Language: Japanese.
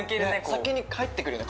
先に返ってくるよね